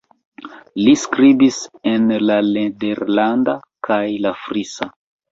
Li skribis en la nederlanda kaj la frisa.